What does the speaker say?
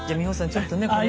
ちょっとねこれ。